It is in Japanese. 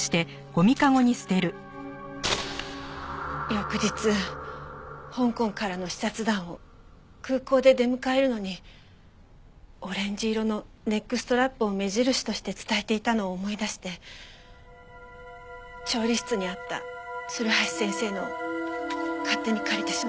翌日香港からの視察団を空港で出迎えるのにオレンジ色のネックストラップを目印として伝えていたのを思い出して調理室にあった鶴橋先生のを勝手に借りてしまいました。